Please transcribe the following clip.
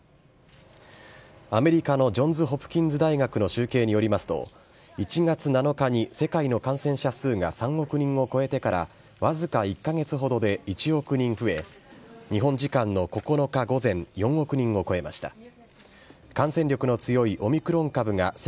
アメリカのジョンズ・ホプキンズ大学の集計によりますと、１月７日に世界の感染者数が３億人を超えてから、僅か１か月ほどで１億人増え、日本時間の９日午前、４億人を超えました。